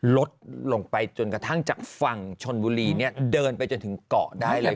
ลดลงไปจนกระทั่งจากฝั่งชนบุรีเนี่ยเดินไปจนถึงเกาะได้เลย